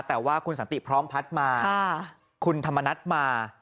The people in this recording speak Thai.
แต่ว่าคุณสันติพร้อมพัฒน์มาคุณธรรมนัฐมา